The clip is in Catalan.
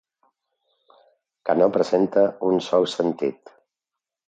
Que no presenta un sol sentit.